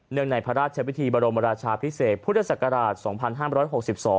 ในพระราชพิธีบรมราชาพิเศษพุทธศักราช๒๕๖๒